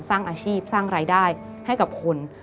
สร้างอาชีพสร้างรายได้ให้กับคน